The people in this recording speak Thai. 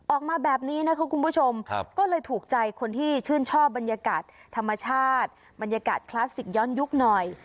ออกมาแบบนี้นะคะคุณผู้ชมก็เลยถูกใจคนที่ชื่นชอบบรรยากาศธรรมชาติบรรยากาศคลาสสิกย้อนยุคหน่อย